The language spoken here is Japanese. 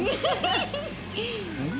うん？